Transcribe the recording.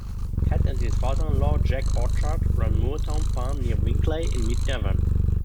Ted and his father-in-law, Jack Orchard, ran Moortown farm near Winkleigh in Mid Devon.